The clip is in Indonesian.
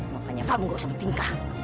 makanya kamu nggak usah bertingkah